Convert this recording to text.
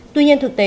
tuy nhiên thực tế